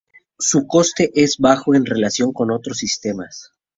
Su coste es bajo en relación con otros sistemas.